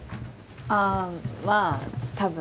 あぁまあ多分。